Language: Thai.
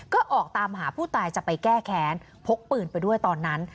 ก็ออกตามหาผู้ตายจะไปแก้แค้นพกปืนไปด้วยตอนนั้น